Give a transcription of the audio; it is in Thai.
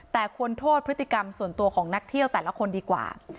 แต่ควรโทษพฤติกรรมส่วนตัวของนักเที่ยวแต่ละคนดีกว่า